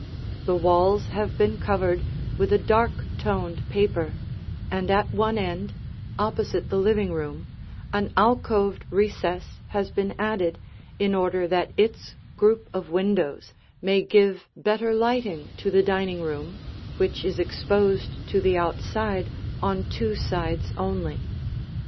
The walls have been covered with a dark toned paper, and at one end, opposite the living room, an alcoved recess has been added in order that its group of windows may give better lighting to the dining room which is exposed to the outside on two sides only.